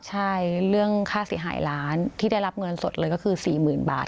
ใช่เรื่องค่าเสียหายล้านที่ได้รับเงินสดเลยก็คือ๔๐๐๐บาท